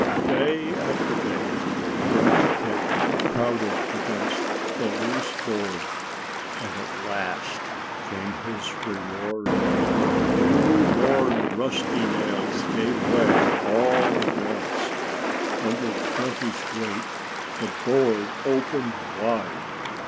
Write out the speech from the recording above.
Day after day Grunty Pig crowded against the loose board. And at last came his reward. Two more rusty nails gave way all at once. Under Grunty's weight the board opened wide.